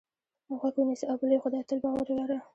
غوږ ونیسه او په لوی خدای تل باور ولره.